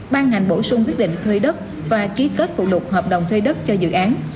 ban hành bổ sung quyết định thuê đất và ký kết phụ lục hợp đồng thuê đất cho dự án